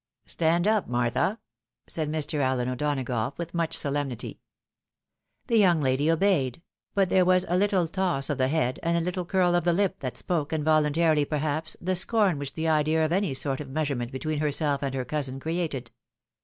" Stand up, Martha !" said Mr. AUen O'Donagough, with much solemnity. The young lady obeyed ; but there was a little toss of the head, and a little curl of the Hp, that spoke, involuntarily perhaps, the scorn which the idea of any sort of measurement between herself and her cousin created.